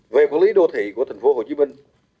về quản lý đô thị của thành phố hồ chí minh